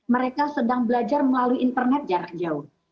mereka sedang belajar melalui internet jarak jauh